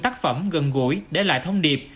tác phẩm gần gũi để lại thông điệp